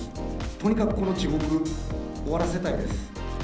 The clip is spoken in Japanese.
とにかくこの地獄、終わらせたいです。